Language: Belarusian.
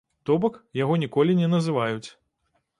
То бок, яго ніколі не называюць.